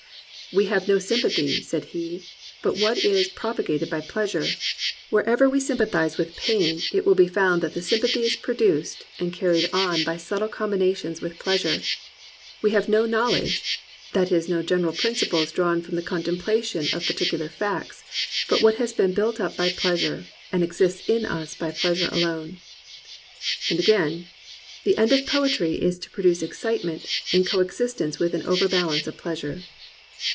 "We have no sympathy," said he, "but what is propagated by pleasure, ... wherever 200 After an engraving by J. Bromley. WILLIAM WORDSWORTH. Painted by W. Boxall, THE RECOVERY OF JOY we sympathise with pain, it will be found that the sympathy is produced and carried on by subtle combinations with pleasure. We have no knowl edge, that is no general principles drawn from the contemplation of particular facts, but what has been built up by pleasure, and exists in us by plea sure alone." And again: "The end of Poetry is to produce excitement, in co existence with an over balance of pleasure."